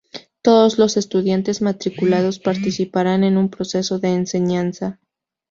Todos los estudiantes matriculados participarán en un proceso de enseñanza.